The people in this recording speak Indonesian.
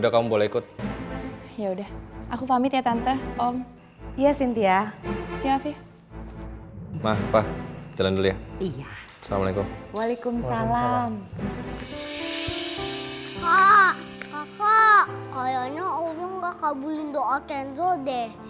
kayaknya allah gak kabulin doa kenzo deh